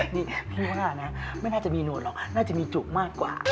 นี่พี่ว่านะไม่น่าจะมีหนวดหรอกน่าจะมีจุกมากกว่า